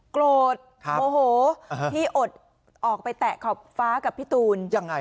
โกรธโมโหที่อดออกไปแตะขอบฟ้ากับพี่ตูนยังไง